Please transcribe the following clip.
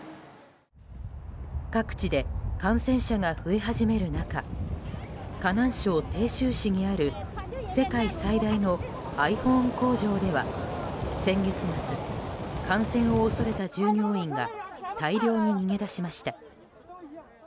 各地で感染者が増え始める中河南省鄭州市にある世界最大のｉＰｈｏｎｅ工場では先月末、感染を恐れた従業員が大量に逃げ出しました。